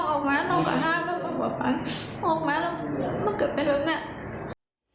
ออกมาแล้วเมื่อเกิดไปแล้วนี่